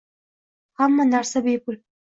Hamma narsa bepul